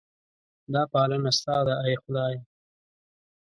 دا پالنه ستا ده ای خدایه.